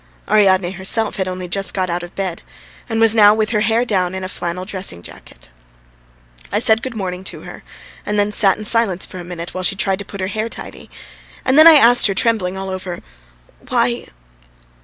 Ariadne herself had only just got out of bed and was now with her hair down in a flannel dressing jacket. I said good morning to her, and then sat in silence for a minute while she tried to put her hair tidy, and then I asked her, trembling all over: "Why